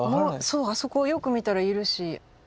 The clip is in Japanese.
そうあそこよく見たらいるし。